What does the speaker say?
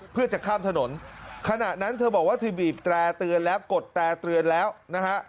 เพื่อจะข้ามถนนขณะนั้นเธอบอกว่าเธอบีบแตร่เตือนแล้วกดแตร่เตือนแล้วนะฮะ